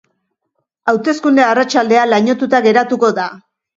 Hauteskunde arratsaldea lainotuta geratuko da.